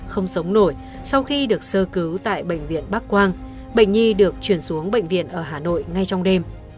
không sống nổi sau khi được sơ cứu tại bệnh viện bắc quang bệnh nhi được chuyển xuống bệnh viện ở hà nội ngay trong đêm